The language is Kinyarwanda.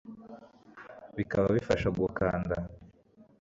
Bikaba bifasha gukanda